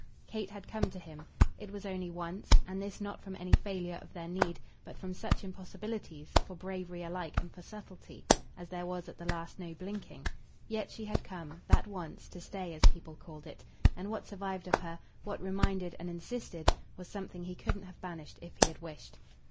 Kate had come to him; it was only once and this not from any failure of their need, but from such impossibilities, for bravery alike and for subtlety, as there was at the last no blinking; yet she had come, that once, to stay, as people called it; and what survived of her, what reminded and insisted, was something he couldn't have banished if he had wished.